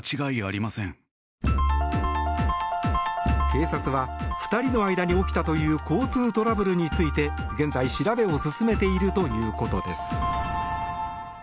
警察は２人の間に起きたという交通トラブルについて現在、調べを進めているということです。